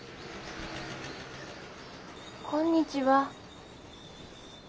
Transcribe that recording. こんにちは。